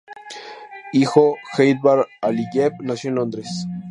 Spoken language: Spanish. Hijo, Heydar Aliyev, nació en Londres.